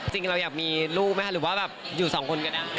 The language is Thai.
จริงเราอยากมีลูกไหมคะหรือว่าแบบอยู่สองคนก็ได้